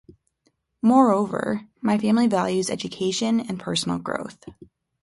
Moreover, my family values education and personal growth.